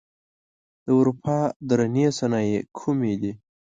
د اروپا درنې صنایع کومې دي؟